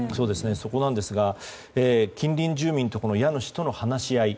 そこなんですが近隣住民と家主との話し合い。